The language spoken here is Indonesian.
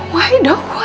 kenapa dok kenapa